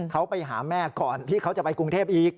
เขาไปหาแม่ก่อนที่เขาจะไปกรุงเทพอีก